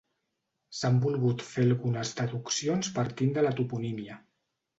S'han volgut fer algunes deduccions partint de la toponímia.